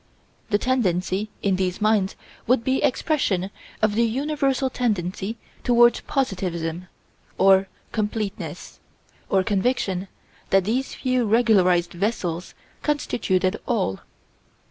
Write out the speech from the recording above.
The tendency in these minds would be expression of the universal tendency toward positivism or Completeness or conviction that these few regularized vessels constituted all.